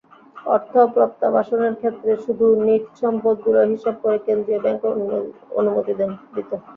অর্থ প্রত্যাবাসনের ক্ষেত্রে শুধু নিট সম্পদমূল্য হিসাব করে কেন্দ্রীয় ব্যাংক অনুমতি দিত।